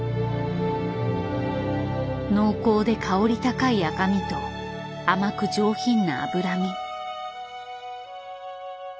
濃厚で香り高い赤身と甘く上品な脂身。